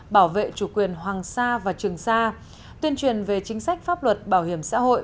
bảo vệ chủ quyền hoàng sa và trường sa tuyên truyền về chính sách pháp luật bảo hiểm xã hội